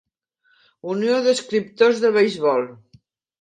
Unió d'Escriptors de Beisbol.